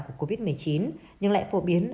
của covid một mươi chín nhưng lại phổ biến